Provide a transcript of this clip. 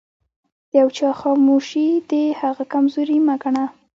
د يوچا خاموښي دهغه کمزوري مه ګنه